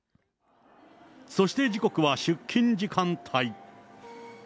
そして時刻は出勤時間帯。